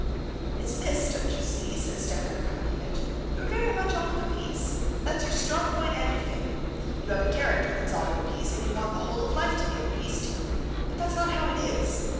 "It's this, don't you see," said Stepan Arkadyevitch, "you're very much all of a piece. That's your strong point and your failing. You have a character that's all of a piece, and you want the whole of life to be of a piece too—but that's not how it is.